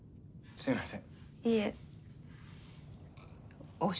すみません。